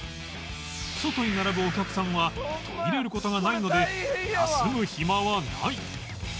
外に並ぶお客さんは途切れる事がないので休む暇はない